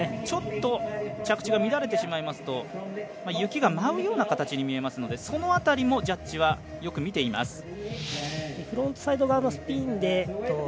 ちょっと着地が乱れてしまいますと雪が舞うような形に見えますのでその辺りもジャッジはよく見ています。